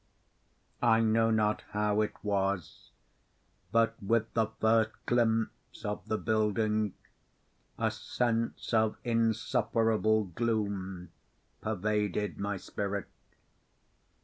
I know not how it was—but, with the first glimpse of the building, a sense of insufferable gloom pervaded my spirit.